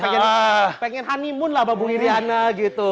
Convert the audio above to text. jadi pengen honeymoon lah sama bu iryana gitu